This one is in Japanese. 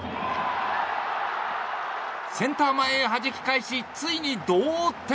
センター前へはじき返しついに同点。